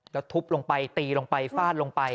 ก็ทุบลงไปตีลงไปฟาดลงไป